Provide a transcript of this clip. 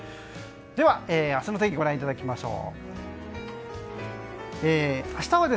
では明日の天気ご覧いただきましょう。